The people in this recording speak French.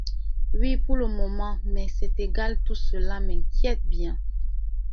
Oui, pour le moment ; mais c’est égal, tout cela m’inquiète bien.